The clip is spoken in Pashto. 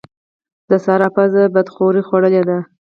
د سارا پزه بادخورې خوړلې ده.